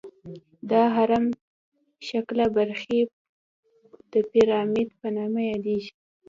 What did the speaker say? دا هرم شکله برخې د پیرامید په نامه یادیږي.